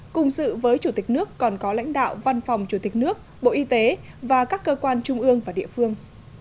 cùng sự với chủ tịch nước còn có lãnh đạo văn phòng chủ tịch nước bộ y tế và các cơ quan trung ương và địa phương